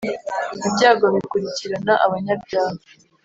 ibyago bikurikirana abanyabyaha